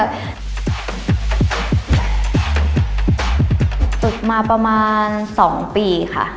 ฝึกมาประมาณ๒ปีค่ะ